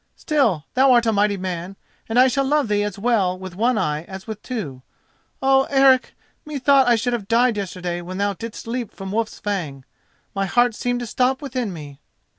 Still, thou art a mighty man, and I shall love thee as well with one eye as with two. Oh! Eric, methought I should have died yesterday when thou didst leap from Wolf's Fang! My heart seemed to stop within me."